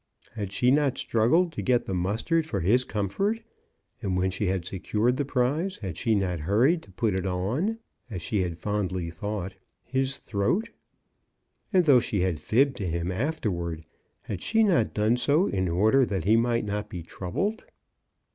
Had she not struggled to get the mustard for his comfort, and when she had secured the prize had she not hurried to put it on — as she had fondly thought — his throat? And though she had fibbed to him afterward, had she not done so in order that he might not be troubled?